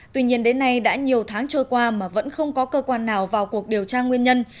tuy nhiên đến nay đã nhiều tháng trôi qua mà vẫn không có cơ quan nào vào cuộc điều tra nguyên nhân